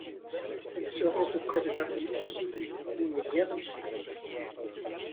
Il se rend auprès de Darius, où il est bien reçu.